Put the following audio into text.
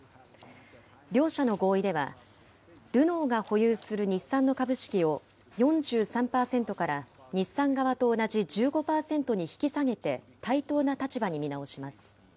両社の合意では、ルノーが保有する日産の株式を４３％から日産側と同じ１５％に引き下げて、対等な立場に見直します。